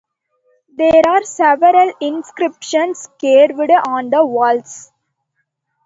There are several inscriptions carved on the walls.